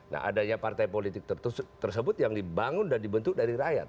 nah adanya partai politik tersebut yang dibangun dan dibentuk dari rakyat